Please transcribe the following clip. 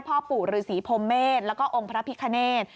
พ่อปู่ฤษีพรมเมษแล้วก็องค์พระพิคเนธ